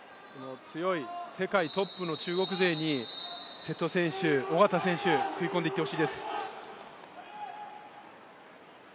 強い、世界トップの中国勢に瀬戸選手、小方選手、食い込んでいってほしいです。